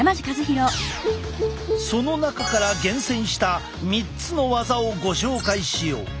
その中から厳選した３つのワザをご紹介しよう。